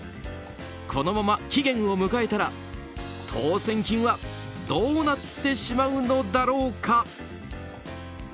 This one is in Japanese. このまま期限を迎えたら当せん金はどうなってしまうのだろうか。